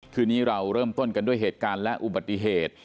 คืนนี้เราเริ่มต้นกันด้วยเหตุการณ์และอุบัติเหตุ